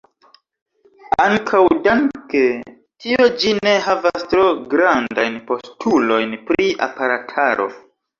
Ankaŭ danke tio ĝi ne havas tro grandajn postulojn pri aparataro.